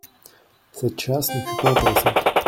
Cette chasse ne fut pas intéressante.